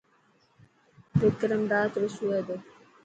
وڪرم رات رو سوي ٿو.